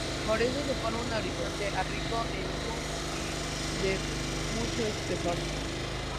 Por eso se forma un horizonte A rico en humus y de mucho espesor.